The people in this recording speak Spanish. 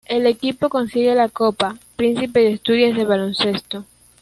El equipo consigue la Copa Príncipe de Asturias de Baloncesto.